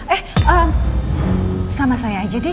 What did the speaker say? eh sama saya aja deh